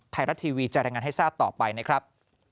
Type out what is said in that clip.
ไทยรัฐทีวีจะรายงานให้ทราบต่อไปนะครับ